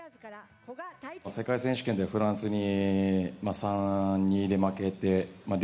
世界選手権でフランスに３・２で負けて。